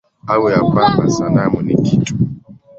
Au ya kwamba sanamu ni kitu?